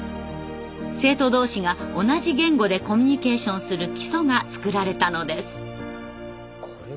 生徒同士が同じ言語でコミュニケーションする基礎が作られたのです。